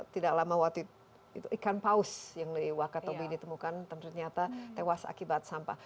tidak lama waktu itu ikan paus yang di wakatobi ditemukan dan ternyata tewas akibat sampah